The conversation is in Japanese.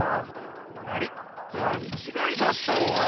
わりいかんちがいだったわ。